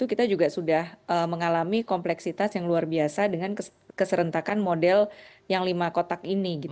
kita juga sudah mengalami kompleksitas yang luar biasa dengan keserentakan model yang lima kotak ini